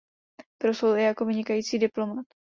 Proslul i jako vynikající diplomat.